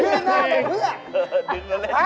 หนึ่งหน้าหนึ่งเภื่อง